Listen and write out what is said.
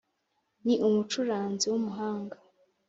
Ni umucuranzi w’umuhanga